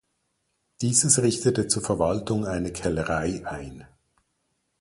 Dieses richtete zur Verwaltung eine Kellerei ein.